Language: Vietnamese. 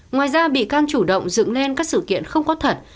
ngoài ra bị can chủ động dựng lên các sự kiện không có thật